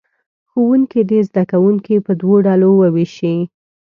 ښوونکي دې زه کوونکي په دوو ډلو ووېشي.